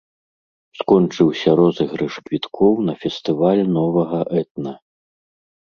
Скончыўся розыгрыш квіткоў на фестываль новага этна.